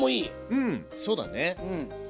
うんそうだね。